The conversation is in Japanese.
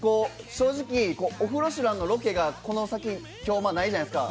正直「オフロシュラン」のロケがこの先、今日、ないじゃないですか。